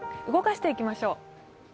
動かしていきましょう。